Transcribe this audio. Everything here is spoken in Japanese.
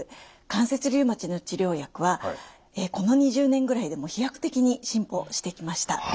関節リウマチの治療薬はこの２０年ぐらいで飛躍的に進歩してきました。